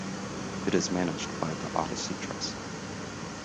It is managed by The Odyssey Trust.